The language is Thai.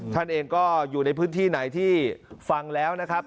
ท่านเองก็อยู่ในพื้นที่ไหนที่ฟังแล้วนะครับ